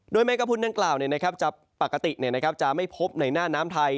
แมงกระพุนดังกล่าวปกติจะไม่พบในหน้าน้ำไทย